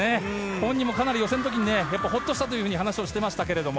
本人もかなり予選の時にホッとしたと話をしてましたけれども。